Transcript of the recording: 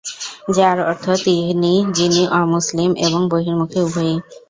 যার অর্থ "তিনি যিনি অমুসলিম এবং বহির্মুখী উভয়ই।"